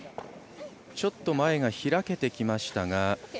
ちょっと前が開けてきましたが。